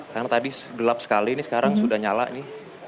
karena tadi gelap sekali ini sekarang sudah nyala ini